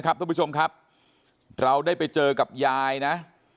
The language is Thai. ท่านผู้ชมครับเราได้ไปเจอกับยายนะ